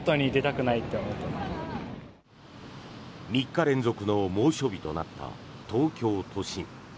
３日連続の猛暑日となった東京都心。